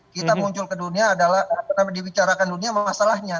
kita muncul ke dunia adalah apa namanya dibicarakan dunia masalahnya